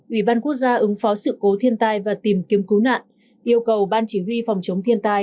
ủy ban quốc gia ứng phó sự cố thiên tai và tìm kiếm cứu nạn yêu cầu ban chỉ huy phòng chống thiên tai